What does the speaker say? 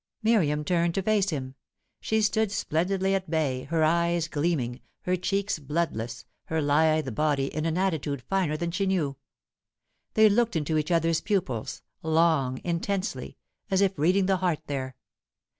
Miriam turned to face him. She stood splendidly at bay, her eyes gleaming, her cheeks bloodless, her lithe body in an attitude finer than she knew. They looked into each other's pupils, long, intensely, as if reading the heart there.